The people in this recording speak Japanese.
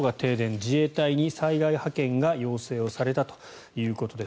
自衛隊に災害派遣が要請をされたということです。